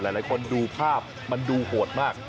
หลายคนดูภาพมันดูโหดมาก